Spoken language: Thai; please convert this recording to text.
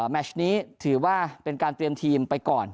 แมชนี้ถือว่าเป็นการเตรียมทีมไปก่อน